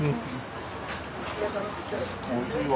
おいしいわ。